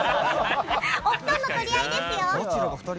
お布団の取り合いですよ。